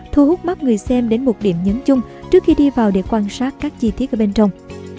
thu hút mắt người xem đến một điểm nhấn chung trước khi đi vào để quan sát các chi tiết ở bên trong